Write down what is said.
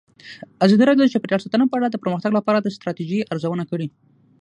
ازادي راډیو د چاپیریال ساتنه په اړه د پرمختګ لپاره د ستراتیژۍ ارزونه کړې.